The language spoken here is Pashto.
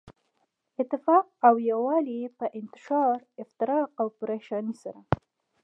اتفاق او يو والی ئي په انتشار، افتراق او پريشانۍ سره